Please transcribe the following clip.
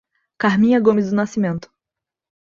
Carminha Gomes do Nascimento